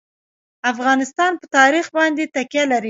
افغانستان په تاریخ باندې تکیه لري.